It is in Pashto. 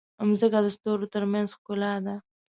مځکه د ستورو ترمنځ ښکلا لري.